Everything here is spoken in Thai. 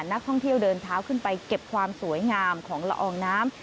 นักท่องเที่ยวเดินเท้าขึ้นไปเก็บความสวยงามของละอองน้ำ